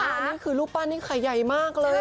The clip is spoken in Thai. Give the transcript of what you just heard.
อยู่นะรูปปั้นนี้ค่ะใหญ่มากเลย